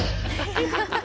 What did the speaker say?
アハハハ。